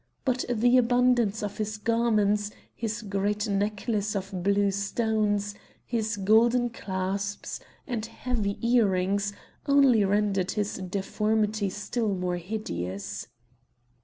But the abundance of his garments, his great necklace of blue stones, his golden clasps, and heavy earrings only rendered his deformity still more hideous.